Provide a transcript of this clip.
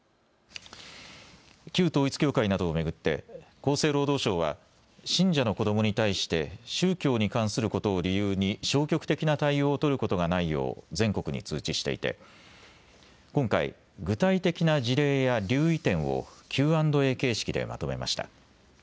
旧統一教会などを巡って厚生労働省は信者の子どもに対して宗教に関することを理由に消極的な対応を取ることがないよう全国に通知していて今回、具体的な事例や留意点をＱ＆Ａ形式でまとめました。